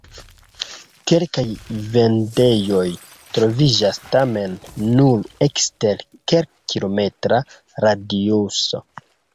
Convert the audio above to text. Kelkaj vendejoj troviĝas, tamen nur ekster kelkkilometra radiuso.